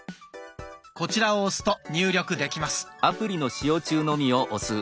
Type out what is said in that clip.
こちらを押すと入力できます。